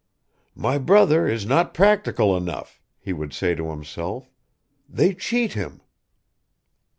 "My brother is not practical enough," he would say to himself; "they cheat him."